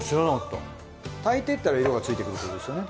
炊いてったら色がついてくるってことですよね？